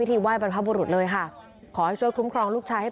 ไห้บรรพบุรุษเลยค่ะขอให้ช่วยคุ้มครองลูกชายให้